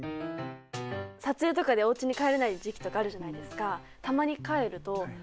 撮影とかでおうちに帰れない時期とかあるじゃないですか。